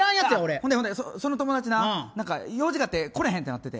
ほんで、その友達用事があってこれへんってなってて。